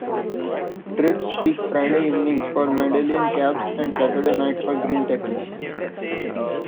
Trips peak Friday evenings for medallion cabs, and Saturday night for Green Taxis.